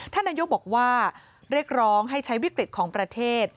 ท่านนายกบอกว่าเรียกร้องให้ใช้วิกฤตของประเทศ